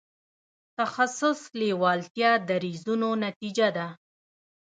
تخصص لېوالتیا دریځونو نتیجه ده.